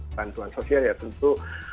bantuan sosial ya tentu